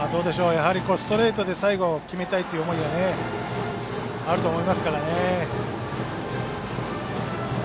やはりストレートで最後、決めたいっていう思いがあると思いますからね。